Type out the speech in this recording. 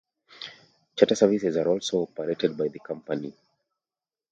Charter services are also operated by the company.